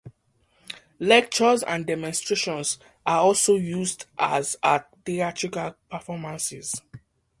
Lectures and demonstrations are also used, as are theatrical performances.